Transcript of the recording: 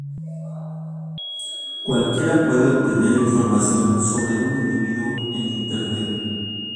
Cualquiera puede obtener información sobre un individuo en Internet.